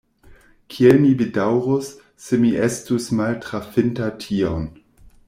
kiel mi bedaŭrus, se mi estus maltrafinta tion!